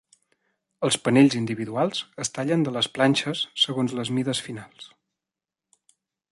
Els panells individuals es tallen de les planxes segons les mides finals.